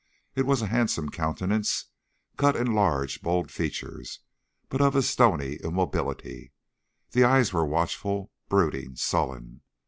It was a handsome countenance, cut in large, bold features, but of a stony immobility; the eyes were watchful, brooding, sullen.